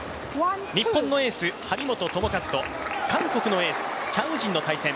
日本のエース・張本智和と韓国のエース、チャン・ウジンの対戦。